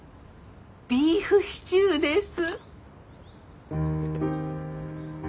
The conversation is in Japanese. ビーフシチューです。